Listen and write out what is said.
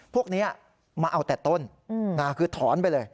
พวกนี้มาเอาแต่ต้นคือถอนไปเลย